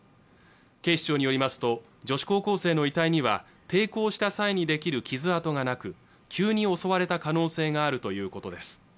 警視庁によりますと女子高校生の遺体には抵抗した際に出来る傷痕がなく急に襲われた可能性があるということです